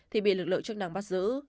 thì bị lực lượng chức năng bắt giữ